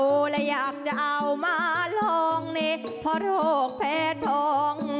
ดูแล้วอยากจะเอามาลองทอโรคแพทย์ทอง